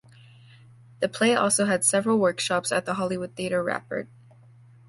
The play also had several workshops at the Hollywood Theatre Rapport.